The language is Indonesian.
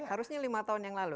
harusnya lima tahun yang lalu